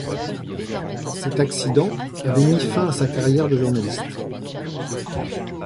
Cet accident avait mis fin à sa carrière de journaliste.